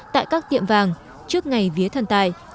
tại các tiệm vàng trước ngày vía thần tài